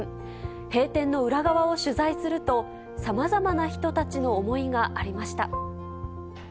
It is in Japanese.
閉店の裏側を取材すると、さまざまな人たちの思いがありました。